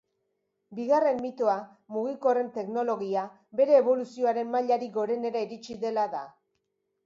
Bigarren mitoa mugikorren teknologia bere eboluzioaren mailarik gorenera iritsi dela da.